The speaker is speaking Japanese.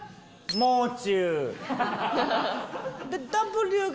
もう中！